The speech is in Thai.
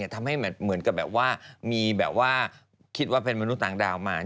ทำให้เหมือนกับแบบว่ามีแบบว่าคิดว่าเป็นมนุษย์ต่างดาวมา